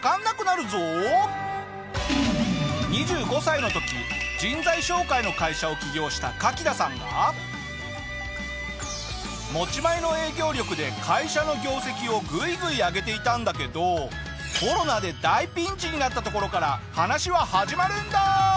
２５歳の時人材紹介の会社を起業したカキダさんが持ち前の影響力で会社の業績をグイグイ上げていたんだけどコロナで大ピンチになったところから話は始まるんだ！